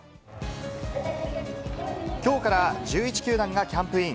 きょうから１１球団がキャンプイン。